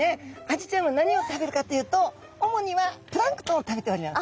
アジちゃんは何を食べるかというと主にはプランクトンを食べております。